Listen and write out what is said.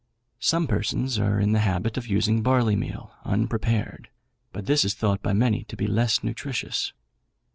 Some persons are in the habit of using barleymeal unprepared, but this is thought by many to be less nutritious.